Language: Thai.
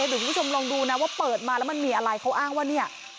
เดี๋ยวคุณผู้ชมลองดูนะว่าเปิดมาแล้วมันมีอะไรเขาอ้างว่าเนี่ย